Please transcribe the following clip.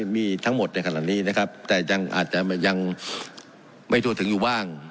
มีทั้งหมดในขณะนี้นะครับแต่ยังอาจจะยังไม่ทั่วถึงอยู่บ้าง